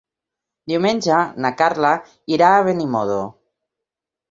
Diumenge na Carla irà a Benimodo.